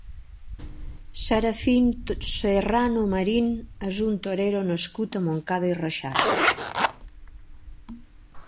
Serafín Serrano Marín és un torero nascut a Montcada i Reixac.